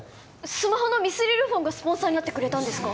スマホのミスリルフォンがスポンサーになってくれたんですか？